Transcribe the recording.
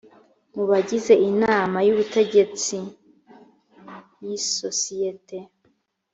mu bagize inama y’ubutegetsi y]isosiyete